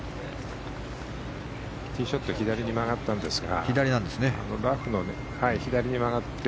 ティーショット左に曲がったんですがラフの左に曲がって。